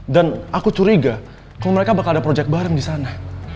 dan aku curiga kalau mereka bakal ada proyek bareng disana